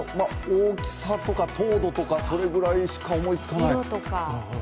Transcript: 大きさとか糖度とかそれぐらいしか思いつかない。